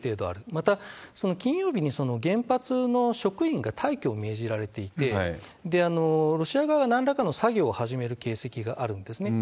また、金曜日に原発の職員が退去を命じられていて、ロシア側はなんらかの作業を始める形跡があるんですね。